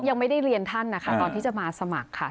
ยังไม่ได้เรียนท่านนะคะตอนที่จะมาสมัครค่ะ